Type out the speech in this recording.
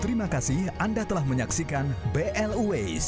terima kasih anda telah menyaksikan blu ways